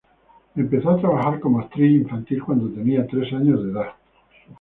Empezó a trabajar como actriz infantil cuando tenía tres años de edad.